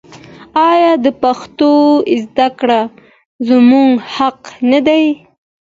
آیا د پښتو زده کړه زموږ حق نه دی؟